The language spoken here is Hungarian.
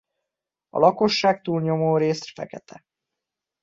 A lakosság túlnyomórészt fekete.